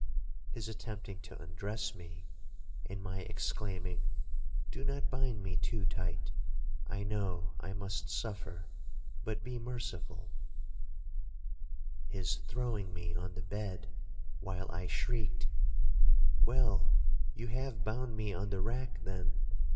—his attempting to undress me, and my exclaiming, 'Do not bind me too tight,—I know I must suffer, but be merciful;'—his throwing me on the bed, while I shrieked, 'Well, you have bound me on the rack, then?